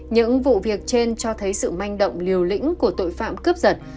những vụ việc trên cho thấy sự manh động liều lĩnh của tội phạm cướp giật